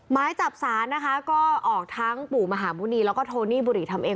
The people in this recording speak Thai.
หมายจับศาลนะคะก็ออกทั้งปู่มหาหมุณีแล้วก็โทนี่บุหรีทำเอง